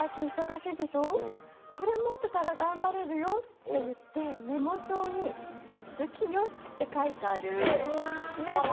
これ持ってたらがんばれるよ」って言ってメモちょうに「好きよ」って書いてあるメモを。